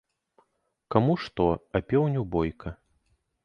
Каму што, а пеўню ‒ бойка